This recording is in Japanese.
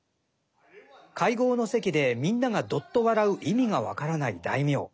会合の席でみんながどっと笑う意味が分からない大名。